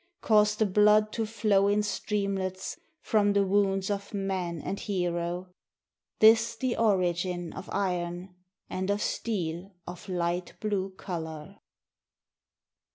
Caused the blood to flow in streamlets From the wounds of man and hero. This, the origin of iron. And of steel of light blue color.